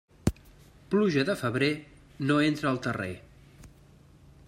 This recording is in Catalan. Pluja de febrer, no entra al terrer.